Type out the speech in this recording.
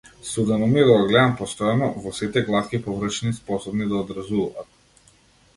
Судено ми е да го гледам постојано, во сите глатки површини способни да одразуваат.